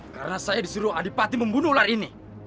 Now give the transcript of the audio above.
karena saya disuruh adipati membunuh ular ini